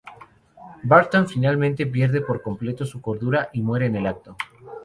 Barton finalmente pierde por completo su cordura y muere en el acto.